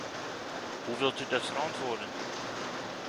Hoe wilt u dat verantwoorden?